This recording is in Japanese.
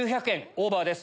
オーバーです。